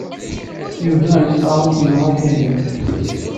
Yuba yesṭeɛref yenɣa Kahina.